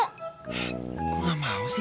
kok gak mau sih